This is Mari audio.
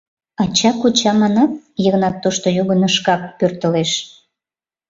— Ача-коча, манат, — Йыгнат тошто йогынышкак пӧртылеш.